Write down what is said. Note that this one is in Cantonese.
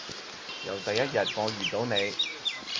由第一日我遇到你